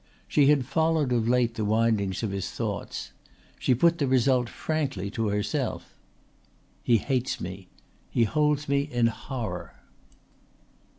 She had followed of late the windings of his thoughts. She put the result frankly to herself. "He hates me. He holds me in horror."